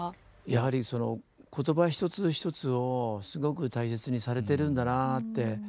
やはりその言葉一つ一つをすごく大切にされてるんだなあって。